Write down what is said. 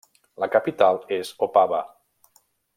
La capital és Opava.